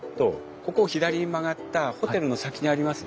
ここを左に曲がったホテルの先にありますよ。